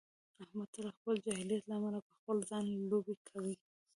احمد تل د خپل جاهلیت له امله په خپل ځان لوبې کوي.